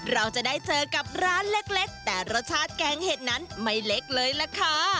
เราจะได้เจอกับร้านเล็กแต่รสชาติแกงเห็ดนั้นไม่เล็กเลยล่ะค่ะ